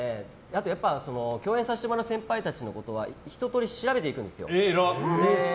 共演させてもらう先輩たちはひと通り調べていくんです。